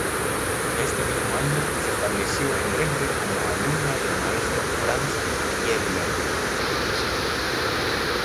Este mismo año se estableció en Dresde como alumna del maestro Franz Fiedler.